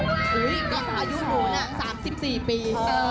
อายุหนู๓๔ปี